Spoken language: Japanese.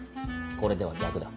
これでは逆だ。